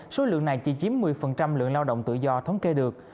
số lượng này chỉ chiếm một mươi lượng lao động tự do thống kê được